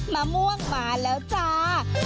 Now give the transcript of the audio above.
มะม่วงมาแล้วจ้า